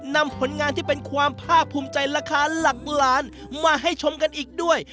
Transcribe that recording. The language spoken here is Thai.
นำผลงานที่เป็นความภาคภูมิใจราคาหลักล้านมาให้ชมกันอีกด้วย